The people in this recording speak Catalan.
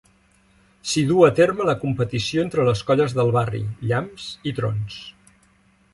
S'hi duu a terme la competició entre les colles del barri, Llamps i Trons.